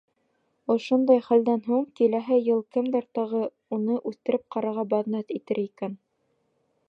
Ошондай хәлдән һуң киләһе йыл кемдәр тағы ла уны үҫтереп ҡарарға баҙнат итер икән?